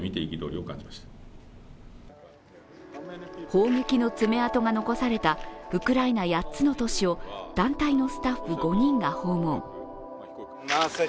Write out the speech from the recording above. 砲撃の爪痕が残されたウクライナ８つの都市を団体のスタッフ５人が訪問。